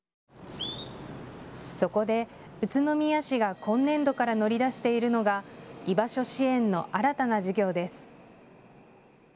そこで宇都宮市が今年度から乗り出しているのが居場所支援の新たな事業です。